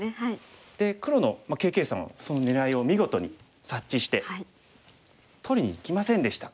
で黒のＫ．Ｋさんはその狙いを見事に察知して取りにいきませんでした。